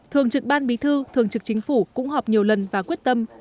thường trực ban bí thư thường trực chính phủ cũng họp nhiều lần và quyết tâm